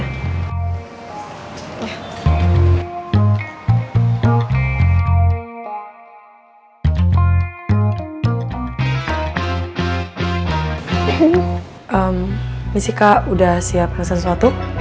ehm misi kak udah siap pesen sesuatu